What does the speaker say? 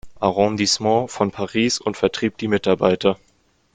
Arrondissement von Paris und vertrieb die Mitarbeiter.